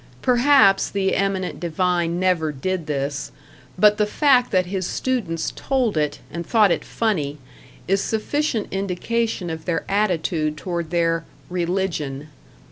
Perhaps the eminent divine never did this; but the fact that his students told it, and thought it funny, is sufficient indication of their attitude toward their "Religion."